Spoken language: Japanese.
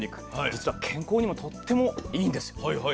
実は健康にもとってもいいんですよ。